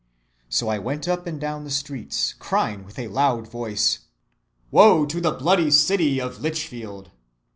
So I went up and down the streets, crying with a loud voice, Wo to the bloody city of Lichfield!